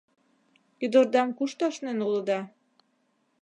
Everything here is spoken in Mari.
Ӱдырдам кушто ашнен улыда?